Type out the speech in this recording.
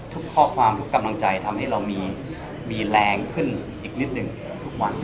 ทุกข้อความทุกกำลังใจทำให้เรามีแรงขึ้นอีกนิดหนึ่งทุกวัน